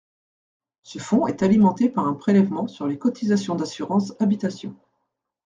Ce fonds est alimenté par un prélèvement sur les cotisations d’assurances « habitation ».